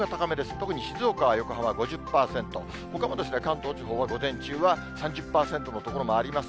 特に静岡、横浜５０％、ほかも関東地方は午前中は３０％の所もあります。